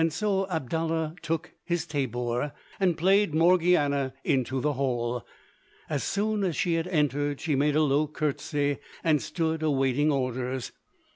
So Abdallah took his tabor, and played Morgiana into the hall. As soon as she had entered she made a low curtsey, and stood awaiting orders.